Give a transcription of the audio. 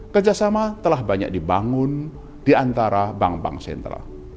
kerjasama telah banyak dibangun di antara bank bank sentral